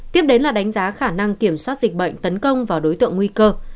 tiếp đến là đánh giá khả năng kiểm soát dịch bệnh tấn công vào đối tượng nguy cơ